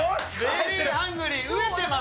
ベリー・ハングリー、飢えてます。